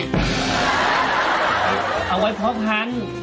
เอาไว้เพาะพันธุ์